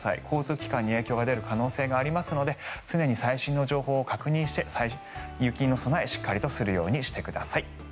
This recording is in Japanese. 交通機関に影響が出る可能性がありますので常に最新の情報を確認して雪の備えしっかりするようにしてください。